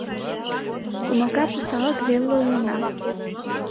Комака пусалык веле улына.